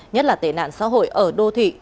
nhất là tệ nạn xã hội ở đô thị